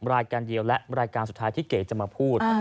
รายการเดียวและรายการสุดท้ายที่เก๋จะมาพูด